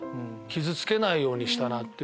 傷つけないようにしたなって。